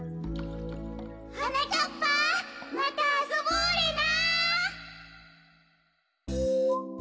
はなかっぱ！またあそぼうレナ！